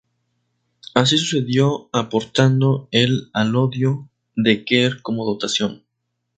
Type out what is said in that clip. Así sucedió aportando el alodio de Quer como dotación.